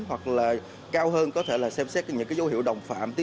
hoặc là cao hơn có thể là xem xét những dấu hiệu đồng phạm